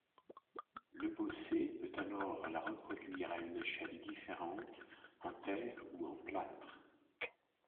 Lebossé peut alors la reproduire à une échelle différente, en terre ou en plâtre.